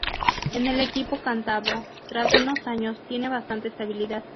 En el equipo cántabro, tras unos años, tiene bastante estabilidad.